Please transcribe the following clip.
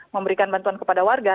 memberikan bantuan kepada warga